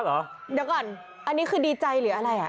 เดี๋ยวก่อนอันนี้คือดีใจหรืออะไรอ่ะ